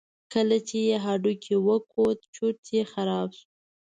کله چې یې هډوکی وکوت چورت یې خراب شو.